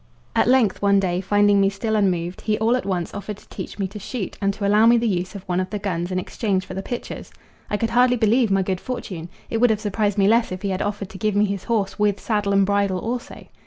At length one day, finding me still unmoved, he all at once offered to teach me to shoot and to allow me the use of one of the guns in exchange for the pictures. I could hardly believe my good fortune: it would have surprised me less if he had offered to give me his horse with "saddle and bridle also."